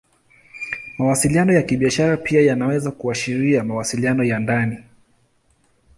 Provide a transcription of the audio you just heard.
Mawasiliano ya Kibiashara pia yanaweza kuashiria mawasiliano ya ndani.